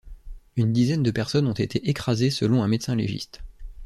Une dizaine de personnes ont été écrasées selon un médecin-légiste.